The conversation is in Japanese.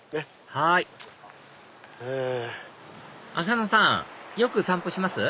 はい浅野さんよく散歩します？